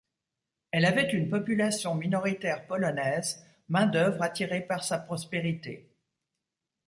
Elle avait une population minoritaire polonaise, main d'œuvre attirée par sa prospérité.